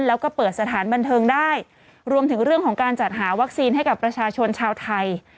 แล้วก็เปิดสถานบันเทิงได้รวมถึงเรื่องของการจัดหาวัคซีนให้กับประชาชนชาวไทย